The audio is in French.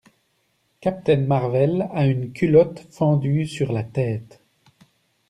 Captain Marvel a une culotte fendue sur la tête.